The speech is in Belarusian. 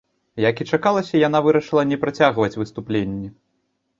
Як і чакалася, яна вырашыла не працягваць выступленні.